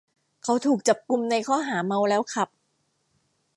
เขาถูกจับกุมในข้อหาเมาแล้วขับ